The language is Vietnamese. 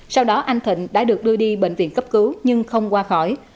sau đó anh thịnh đã được đưa đi bệnh viện cấp cứu nhưng không qua khỏi